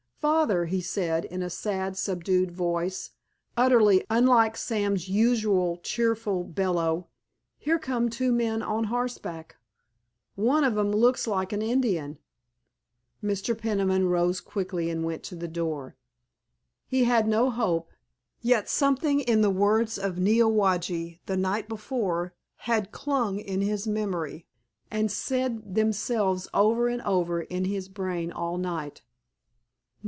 "Father," he said, in a sad, subdued voice, utterly unlike Sam's usual cheerful bellow, "here come two men on horseback. One of 'em looks like an Indian." Mr. Peniman rose quickly and went to the door. He had no hope, yet something in the words of Neowage the night before had clung in his memory and said themselves over and over in his brain all night.